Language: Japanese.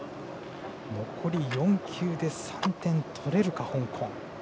残り４球で３点取れるか、香港。